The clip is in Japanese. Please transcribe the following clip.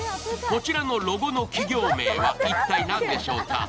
こちらのロゴの企業名は一体何でしょうか？